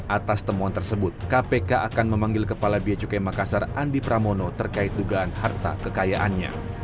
atas temuan tersebut kpk akan memanggil kepala biacukai makassar andi pramono terkait dugaan harta kekayaannya